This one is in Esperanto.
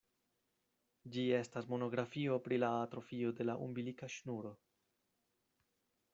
Ĝi estas monografio pri la atrofio de la umbilika ŝnuro.